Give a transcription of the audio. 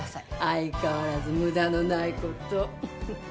相変わらず無駄のないこと